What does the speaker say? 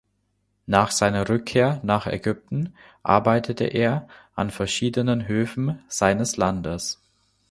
Nach seiner Rückkehr nach Ägypten arbeitete er an verschiedenen Höfen seines Landes.